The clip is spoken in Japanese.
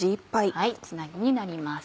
つなぎになります。